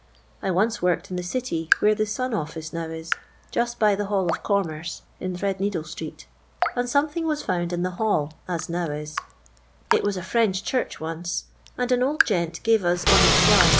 I once Worked in the City where the Sun office now is, just by the llall of Commerce in Thread needle street, and something was fomid in the Hall as now is; it was a French church once; and an old gent gave us on the sly ];f.